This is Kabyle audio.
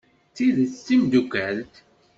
D tidet d timeddukalt?